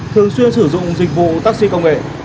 thường xuyên sử dụng dịch vụ taxi công nghệ